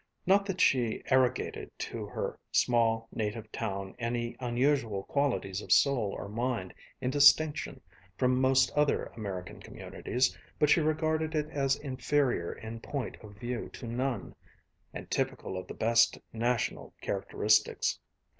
Not that she arrogated to her small native town any unusual qualities of soul or mind in distinction from most other American communities, but she regarded it as inferior in point of view to none, and typical of the best national characteristics.